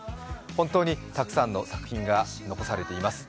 本当にたくさんの作品が残されています。